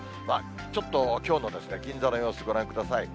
ちょっときょうの銀座の様子、ご覧ください。